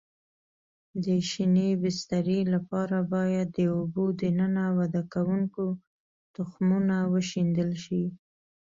د شینې بسترې لپاره باید د اوبو دننه وده کوونکو تخمونه وشیندل شي.